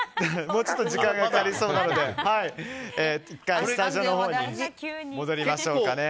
もうちょっと時間かかりそうなのでいったんスタジオのほうに戻りましょうかね。